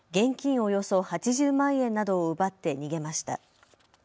およそ８０万円などを奪って逃げました。